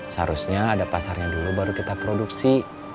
seharusnya ada pasarnya dulu baru kita produksi